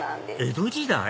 江戸時代⁉